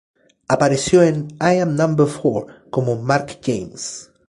Apareció en "I Am Number Four" como Mark James.